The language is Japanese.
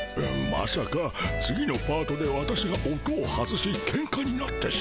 まさか次のパートで私が音を外しケンカになってしまうのでは。